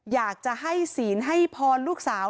อยากจะให้ศีลให้พรลูกสาว